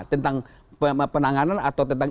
tentang penanganan atau tentang